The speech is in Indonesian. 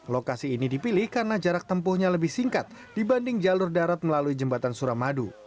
lokasi ini dipilih karena jarak tempuhnya lebih singkat dibanding jalur darat melalui jembatan suramadu